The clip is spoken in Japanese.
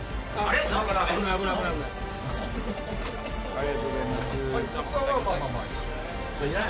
ありがとうございます。